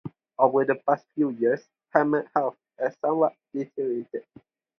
Over the past few years, Hammond's health has somewhat deteriorated.